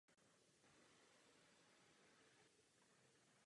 V jeho díle převažuje komorní hudba.